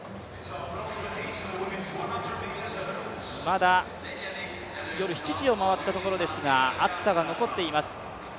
まだ、夜７時を回ったところですが、暑さが残っています。